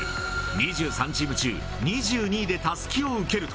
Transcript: ２３チーム中２２位でたすきを受けると。